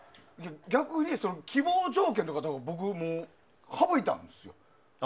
逆に希望条件とか省いたんですよ。